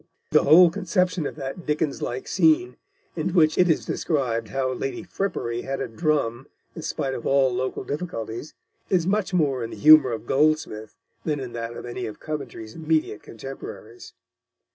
The whole conception of that Dickens like scene, in which it is described how Lady Frippery had a drum in spite of all local difficulties, is much more in the humour of Goldsmith than in that of any of Coventry's immediate contemporaries.